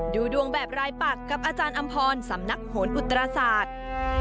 ดูดวงแบบรายปักกับอาจารย์อำพรสำนักโหนอุตราศาสตร์